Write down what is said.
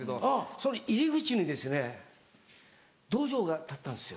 その入り口に銅像が立ったんですよ。